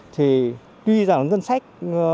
thì tuy rằng dân sách